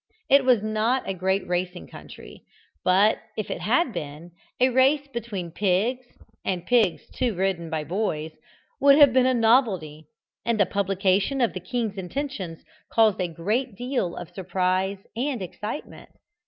It was not a great racing country; but, if it had been, a race between pigs, and pigs, too, ridden by boys, would have been a novelty, and the publication of the king's intentions caused a great deal of surprise and excitement.